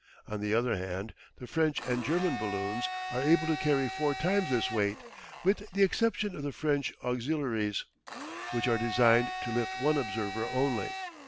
On the other hand, the French and German balloons are able to carry four times this weight, with the exception of the French auxiliaries, which are designed to lift one observer only.